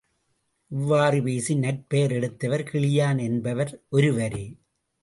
இவ்வாறு பேசி நற்பெயர் எடுத்தவர் கிளியான் என்பவர் ஒருவரே.